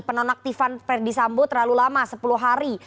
penonaktifan fethi sabo terlalu lama sepuluh hari